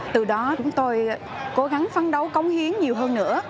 từ đó chúng tôi cố gắng phấn đấu cống hiến nhiều hơn nữa